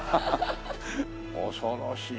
恐ろしい。